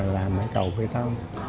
làm cầu bê tông